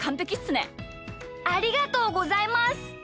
ありがとうございます。